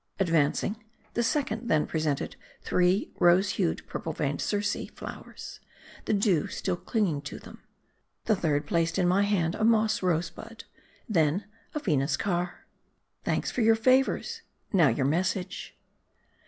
Advancing, the second then presented three rose hued purple veined Circea flowers, the dew still clinging to them. The third placed in my hand a moss rose bud ; then, a Venus car. Thanks for your favors ! now your message."